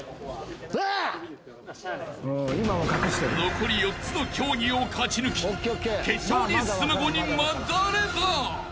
［残り４つの競技を勝ち抜き決勝に進む５人は誰だ？］